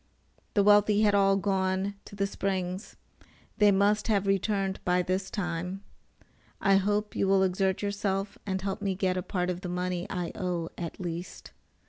The wealthy had all gone to the springs. They must have returned by this time. I hope you will exert yourself and help me get a part of the money I owe, at least.